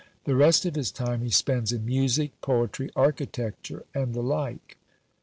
The rest of his time he spends in music, poetry, architecture, and the like."